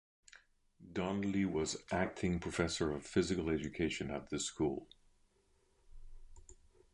Donnelly was acting professor of physical education at the school.